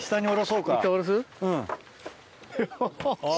うん。